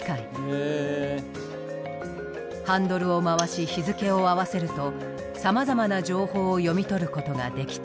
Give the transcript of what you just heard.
ハンドルを回し日付を合わせるとさまざまな情報を読み取ることができた。